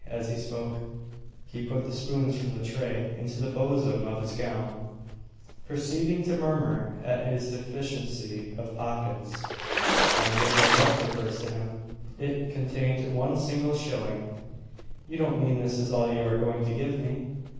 As he spoke, he put the spoons from the tray into the bosom of his gown, proceeding to murmur at his deficiency of pockets. Margaret held out her purse to him. It contained one single shilling. "You don't mean this is all you are going to give me?"